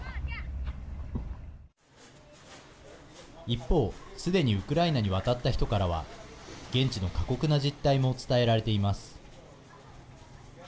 一方、すでにウクライナに渡った人からは現地の過酷な実態も伝えられています。